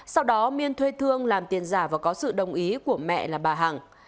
sau đó miên thuê thương làm tiền giả và có sự đồng ý của mẹ là bà hằng